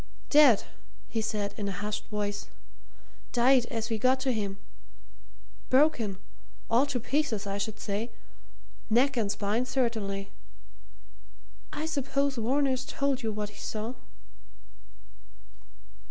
"Dead!" he said in a hushed voice. "Died as we got to him. Broken all to pieces, I should say neck and spine certainly. I suppose Varner's told you what he saw."